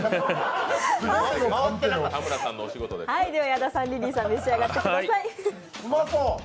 矢田さん、リリーさん、召し上がってください。